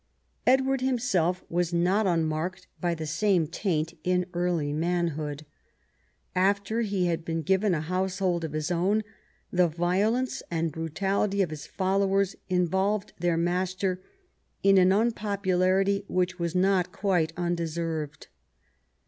Edward himself was not unmarked by the same taint in early manhood. After he had been given a household of his own, the violence and brutality of his followers involved their master in an unpopularity which was not quite undeserved.